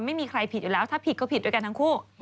ไม่มีใครผิดอยู่แล้วถ้าผิดก็ผิดด้วยกันทั้งคู่